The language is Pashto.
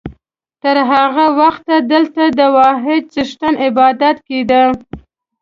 تر هغه وخته دلته د واحد څښتن عبادت کېده.